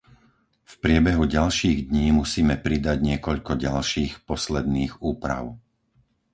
V priebehu ďalších dní musíme pridať niekoľko ďalších posledných úprav.